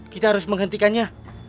kita harus menghentikannya